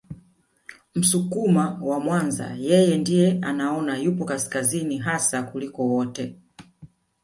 Msukuma wa Mwanza yeye ndiye anaona yupo kaskazini hasa kuliko wote